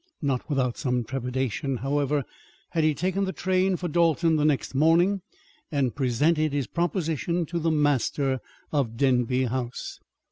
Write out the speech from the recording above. Not without some trepidation, however, had he taken the train for Dalton the next morning and presented his proposition to the master of Denby House.